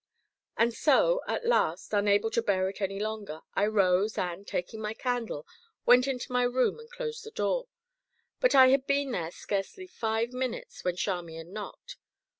And so, at last, unable to bear it any longer, I rose and, taking my candle, went into my room and closed the door. But I had been there scarcely five minutes when Charmian knocked.